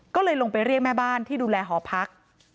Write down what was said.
ก็เลยลงไปเรียกแม่บ้านที่ดูแลหอพัก